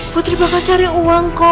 putri bakal cari uang kok